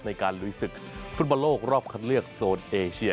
ลุยศึกฟุตบอลโลกรอบคัดเลือกโซนเอเชีย